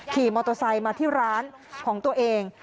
ขี่มอเตอร์ไซค์มาที่ร้านของตัวเอง